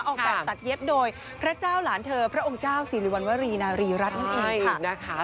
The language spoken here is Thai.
ออกแบบตัดเย็บโดยพระเจ้าหลานเธอพระองค์เจ้าสิริวัณวรีนารีรัฐนั่นเองค่ะนะคะ